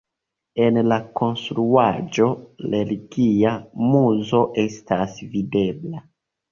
En la konstruaĵo religia muzo estas videbla.